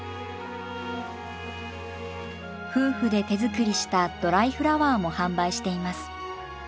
夫婦で手作りしたドライフラワーも販売しています。